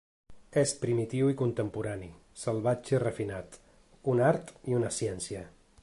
És primitiu i contemporani, salvatge i refinat, un art i una ciència.